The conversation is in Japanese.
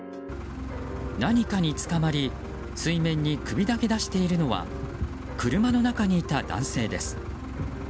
何かにつかまり水面に首だけ出しているのは車の中にいた男性です。